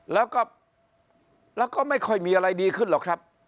แล้วก็ไม่ค่อยมีอะไรดีขึ้นหรอกครับ